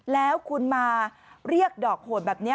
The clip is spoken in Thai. แล้วคุณมาเรียกดอกโหดแบบนี้